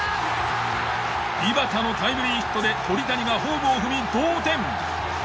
井端のタイムリーヒットで鳥谷がホームを踏み同点。